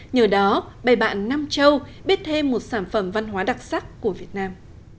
nhờ đó bày bạn nam châu biết thêm một sản phẩm văn hóa đặc sắc của việt nam